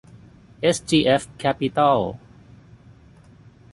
เอสจีเอฟ แคปปิตอล